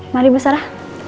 mari bu sarah